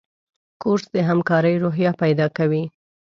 کورس د همکارۍ روحیه پیدا کوي.